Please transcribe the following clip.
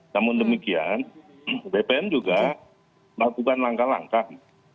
namun demikian bpn juga melakukan langkah langkah